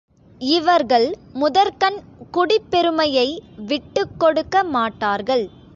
இவர்கள் முதற்கண் குடிப் பெருமையை விட்டுக்கொடுக்க மாட்டார்கள்.